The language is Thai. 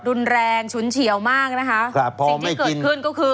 รุนแรงฉุนเฉียวมากนะคะครับผมสิ่งที่เกิดขึ้นก็คือ